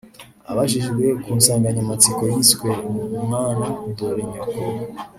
Abajijwe ku nsanganyamatsiko yiswe ‘ Mwana Dore Nyoko’